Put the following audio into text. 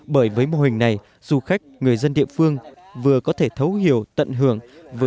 bởi với mô hình này du khách người dân địa phương vừa có thể thấu hiểu tận hưởng